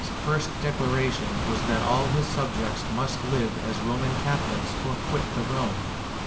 's first declaration was that all his subjects must Uve as Roman Catholics or quit the realm.